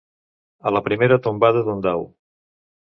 A la primera tombada d'un dau.